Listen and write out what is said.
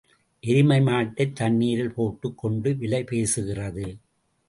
எருமை மாட்டைத் தண்ணீரில் போட்டுக் கொண்டு விலை பேசுகிறது.